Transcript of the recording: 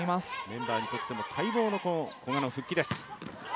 メンバーにとっても待望の古賀の復帰です。